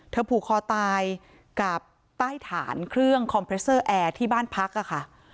ผูกคอตายกับใต้ฐานเครื่องคอมเพรสเซอร์แอร์ที่บ้านพักค่ะ